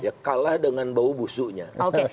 ya kalah dengan bau busuknya